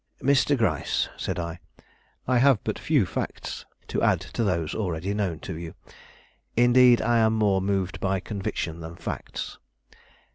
"Mr. Gryce," said I, "I have but few facts to add to those already known to you. Indeed, I am more moved by convictions than facts.